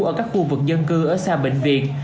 ở các khu vực dân cư ở xa bệnh viện